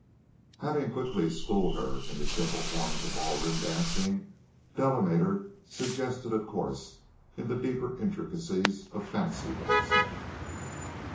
Having quickly schooled her in the simpler forms of ballroom dancing, Delamater suggested a course in the deeper intricacies of fancy dancing.